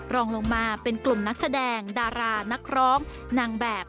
รองลงมาเป็นกลุ่มนักแสดงดารานักร้องนางแบบ